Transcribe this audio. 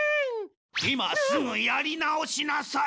今すぐやり直しなさい！